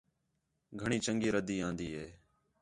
گھݨی چَنڳی ردّی آن٘دی ہِے